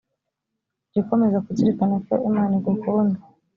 jya ukomeza kuzirikana ko imana igukunda